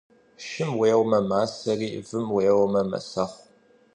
Шым еуэмэ масэри, вым еуэмэ мэсэхъу.